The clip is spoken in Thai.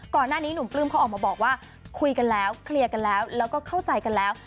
ก่อนหน้านี้หนุ่มปลื้มเขาออกมาบอกว่าคุยกันแล้วเคลียร์กันแล้วแล้วก็เข้าใจกันแล้ว